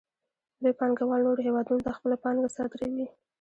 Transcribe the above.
لوی پانګوال نورو هېوادونو ته خپله پانګه صادروي